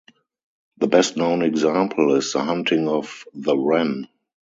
The best known example is the hunting of the wren.